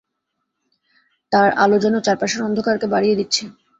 তার আলো যেন চারপাশের অন্ধকারকে বাড়িয়ে দিচ্ছে।